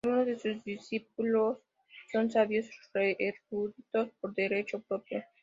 Algunos de sus discípulos son sabios eruditos por derecho propio.